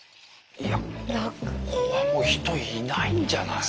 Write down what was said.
いやここはもう人いないんじゃない？